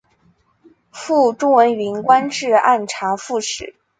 父朱文云官至按察副使。